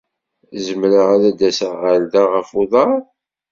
Zemreɣ ad d-aseɣ ɣer da ɣef uḍar?